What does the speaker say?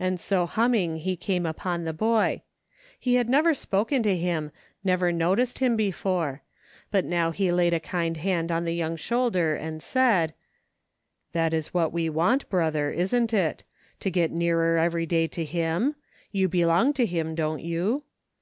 And so humming he came upon the boy. He 50 OPPORTUNITY. had never spoken to him, never noticed him be fore ; but now he laid a kind hand on the young shoulder and said :" That is what we want, brother, isn't it ? To get nearer every day to Him ? You belong to Him, don't you